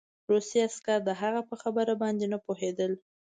روسي عسکر د هغه په خبره باندې نه پوهېدل